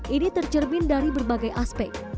ini tercermin dari berbagai aspek